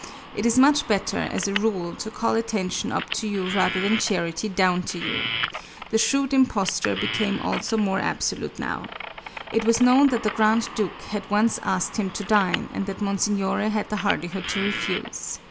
It is much better, as a rule, to call attention up to you rather than charity down to you. The shrewd impostor became also more absolute now. It was known that the Grand Duke had once asked him to dine, and that Monsignore had the hardihood to refuse.